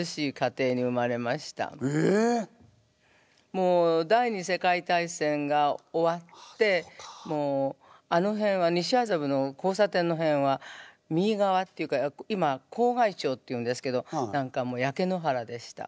もう第２次世界大戦が終わってもうあの辺は西麻布の交差点のへんは右側っていうか笄町っていうんですけど何かもう焼け野原でした。